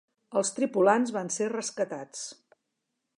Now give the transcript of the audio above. Els tripulants van ser rescatats.